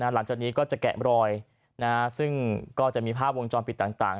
หลังจากนี้ก็จะแกะรอยซึ่งก็จะมีภาพวงจรปิดต่าง